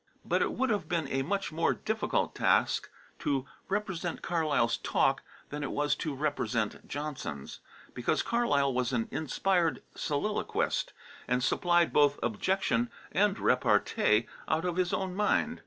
But it would have been a much more difficult task to represent Carlyle's talk than it was to represent Johnson's, because Carlyle was an inspired soliloquist, and supplied both objection and repartee out of his own mind.